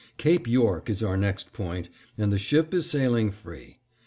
Cape York is our next point, and the ship is sailing free.